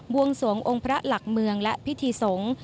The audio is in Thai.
บวงสงะองค์พระหลักเมืองและพิธีทรง